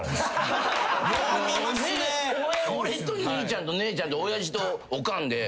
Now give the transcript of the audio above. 俺と兄ちゃんと姉ちゃんと親父とおかんで。